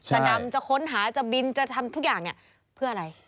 ดำจะค้นหาจะบินจะทำทุกอย่างเนี่ยเพื่ออะไร